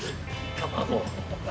卵。